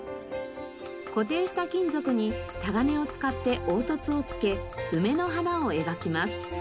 固定した金属に鏨を使って凹凸を付け梅の花を描きます。